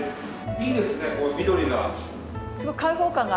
いいですね緑が。